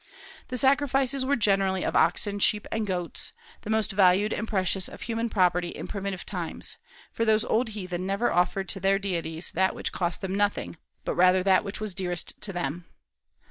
The sacrifices were generally of oxen, sheep, and goats, the most valued and precious of human property in primitive times, for those old heathen never offered to their deities that which cost them nothing, but rather that which was dearest to them.